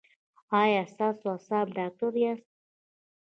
ایا تاسو د اعصابو ډاکټر یاست؟